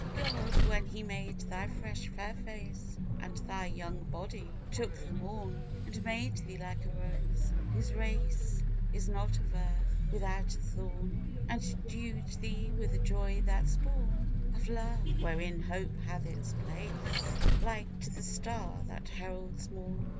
God, when He made thy fresh fair face, And thy young body, took the morn And made thee like a rose, whose race Is not of Earth; without a thorn, And dewed thee with the joy that's born Of love, wherein hope hath its place Like to the star that heralds morn.